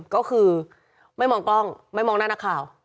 ก็คือไม่มองกล้องไม่มองหน้านักข่าว